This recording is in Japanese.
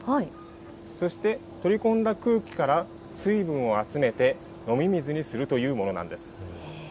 そして取り込んだ空気から水分を集めて飲み水にするというものなんです。